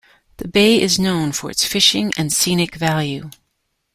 The bay is known for its fishing and scenic value.